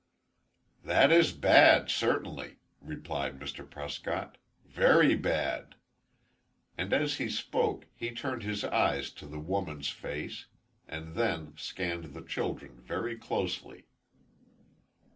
"That is bad, certainly," replied Mr. Prescott, "very bad." And as he spoke, he turned his eyes to the woman's face, and then scanned the children very closely.